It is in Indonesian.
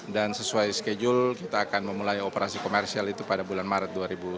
dan sesuai schedule kita akan memulai operasi komersial itu pada bulan maret dua ribu sembilan belas